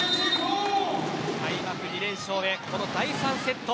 開幕２連勝へ、この第３セット。